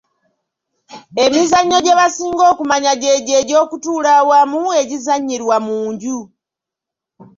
Emizannyo gye basinga okumanya gy'egyo egy'okutuula awamu, egizannyirwa mu nju.